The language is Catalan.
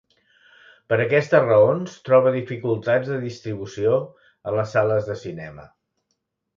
Per aquestes raons troba dificultats de distribució a les sales de cinema.